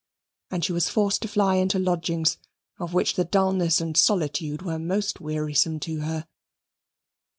And she was forced to fly into lodgings of which the dulness and solitude were most wearisome to her.